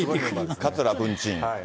桂文珍。